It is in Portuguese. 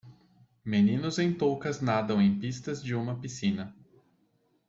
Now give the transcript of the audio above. Meninos em toucas nadam em pistas de uma piscina.